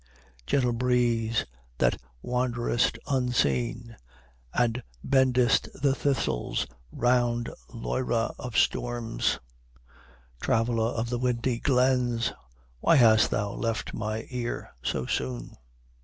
"Gentle breeze, that wanderest unseen, And bendest the thistles round Loira of storms, Traveler of the windy glens, Why hast thou left my ear so soon?"